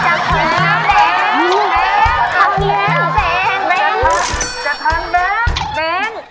จะทานแบงก์